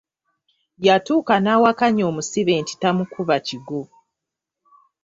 Yatuuka n'awakanya omusibe nti tamukuba kigwo.